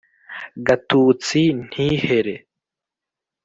Gatutsi ntihere